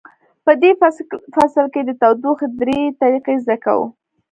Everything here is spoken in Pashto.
په دې فصل کې د تودوخې درې طریقې زده کوو.